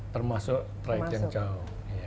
termasuk trayek yang jauh